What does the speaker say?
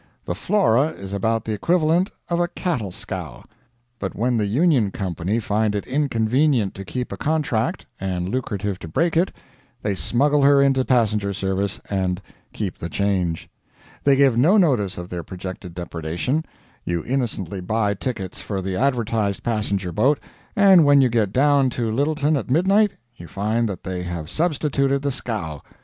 The Flora is about the equivalent of a cattle scow; but when the Union Company find it inconvenient to keep a contract and lucrative to break it, they smuggle her into passenger service, and "keep the change." They give no notice of their projected depredation; you innocently buy tickets for the advertised passenger boat, and when you get down to Lyttelton at midnight, you find that they have substituted the scow.